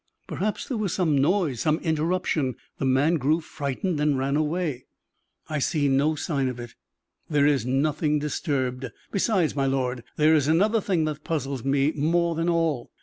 "Perhaps there was some noise, some interruption; the man grew frightened and ran away." "I see no sign of it; there is nothing disturbed. Besides, my lord, there is another thing that puzzles me more than all.